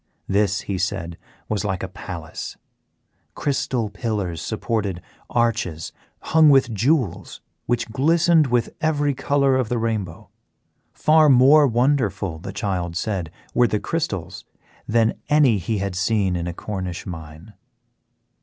This, he said, was like a palace. Crystal pillars supported arches hung with jewels which glistened with every colour of the rainbow. Far more wonderful, the child said, were the crystals than any he had seen in a Cornish mine.